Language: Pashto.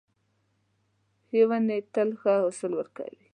ښې ونې تل ښه حاصل ورکوي .